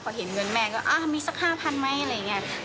พอเห็นเงินแม่ก็อ่ามีสักห้าพันไหมอะไรอย่างนี้